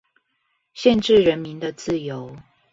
限制人民的自由